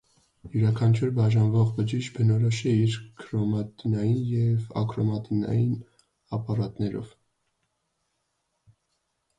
Յուրաքանչյուր բաժանվող բջիջ բնորոշ է իր քրոմատինային և աքրոմատինային ապարատներով։